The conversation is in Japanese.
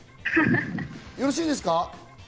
よろしいですか？